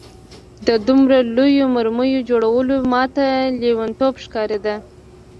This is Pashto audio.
د دومره لویو مرمیو جوړول ماته لېونتوب ښکارېده